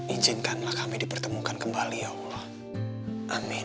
izinkanlah kami dipertemukan kembali ya allah